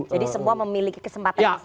jadi semua memiliki kesempatan yang sama